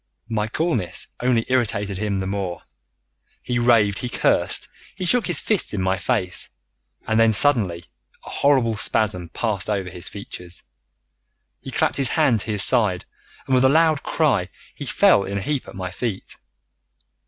My coolness only irritated him the more. He raved, he cursed, he shook his fists in my face, and then suddenly a horrible spasm passed over his features, he clapped his hand to his side, and with a loud cry he fell in a heap at my feet.